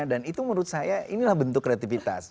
dan itu menurut saya inilah bentuk kreatifitas